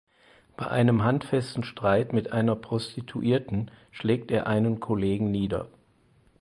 Bei einem handfesten Streit mit einer Prostituierten schlägt er einen Kollegen nieder.